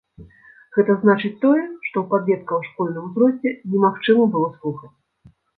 Гэта значыць тое, што ў падлеткава-школьным узросце немагчыма было слухаць.